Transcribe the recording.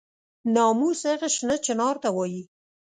ناموس هغه شنه چنار ته وایي.